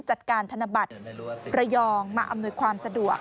จัดการธนบัตรระยองมาอำนวยความสะดวก